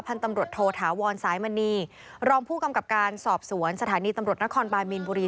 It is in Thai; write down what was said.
ตำรวจโทธาวรสายมณีรองผู้กำกับการสอบสวนสถานีตำรวจนครบานมีนบุรี